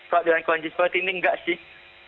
kalau dalam kondisi seperti ini enggak sih